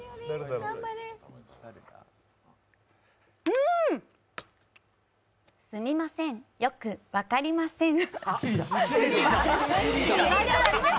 うん、すみません、よく分かりません。